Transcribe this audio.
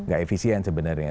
gak efisien sebenarnya